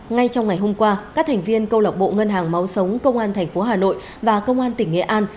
ngay trong ngày hôm qua các thành viên câu lạc bộ ngân hàng máu sống công an thành phố hà nội và công an tỉnh nghệ an